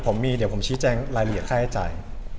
ผมมีเดี๋ยวผมชี้แจงรายละเอียดค่าให้จ่าย